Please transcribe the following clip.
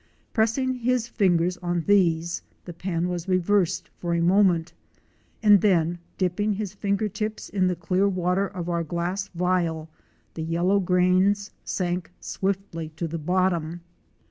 Pressing his fingers on these, the pan was reversed for a moment, and then dipping his finger tips in the clear water of our glass vial the yellow grains sank swiftly to the bottom.